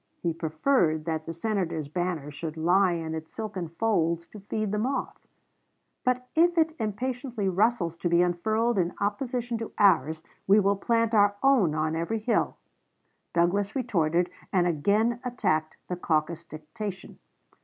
He preferred that the Senator's banner should lie in its silken folds to feed the moth; "but if it impatiently rustles to be unfurled in opposition to ours, we will plant our own on every hill." Douglas retorted, and again attacked the caucus dictation.